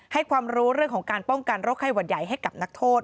ความรู้เรื่องของการป้องกันโรคไข้หวัดใหญ่ให้กับนักโทษ